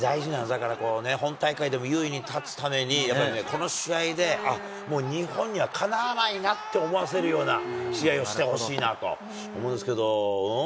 だからね、本大会でも優位に立つために、やっぱりね、この試合でもう日本にはかなわないなって思わせるような試合をしてほしいなと思うんですけど、ん？